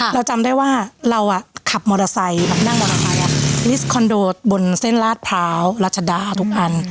เราจำได้ว่าเราขับมอเตอร์ไซค์นั่งมอเตอร์ไซค์ลิสต์คอนโดบนเส้นลาดพร้าวรัชดาทุกอัน